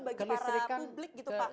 bagi para publik gitu pak